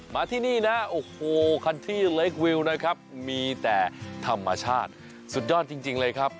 มาที่นี่นะโอ้โหคันที่เล็กวิวนะครับมีแต่ธรรมชาติสุดยอดจริงเลยครับ